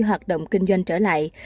hoạt động kinh doanh trở lại